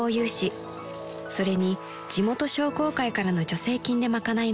［それに地元商工会からの助成金で賄いました］